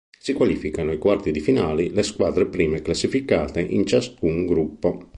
Si qualificano ai quarti di finale le squadre prime classificate in ciascun gruppo.